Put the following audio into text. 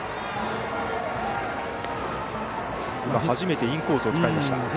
初めてインコースを使いました。